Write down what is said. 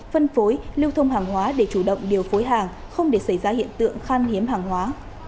phân phối lưu thông hàng hóa để chủ động điều phối hàng không để xảy ra hiện tượng khan hiếm hàng hóa